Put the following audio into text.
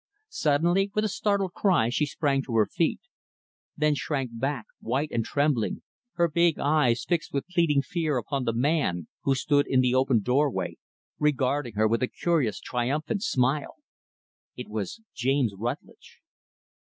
Suddenly, with a startled cry, she sprang to her feet; then shrank back, white and trembling her big eyes fixed with pleading fear upon the man who stood in the open doorway, regarding her with a curious, triumphant smile. It was James Rutlidge.